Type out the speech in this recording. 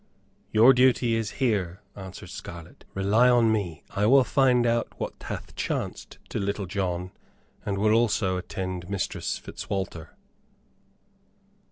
"Your duty is here," answered Scarlett. "Rely on me. I will find out what hath chanced to Little John, and will also attend Mistress Fitzwalter."